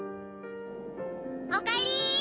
おかえり！